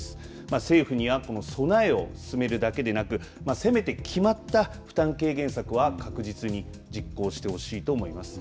政府にはこの備えを進めるだけでなくせめて決まった負担軽減策は確実に実行してほしいと思います。